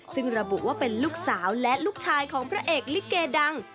ซึ่งระบุว่าเป็นลูกสาวและลูกชายของพระเอกลิเกดัง